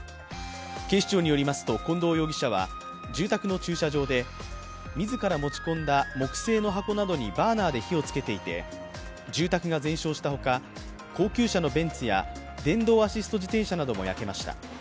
警視庁によりますと近藤容疑者は住宅の駐車場で自ら持ち込んだ木製の箱などにバーナーで火をつけていて住宅が全焼したほか、高級車のベンツや電動アシスト自転車なども焼けました。